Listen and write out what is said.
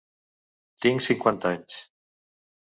Tinc cinquanta anys.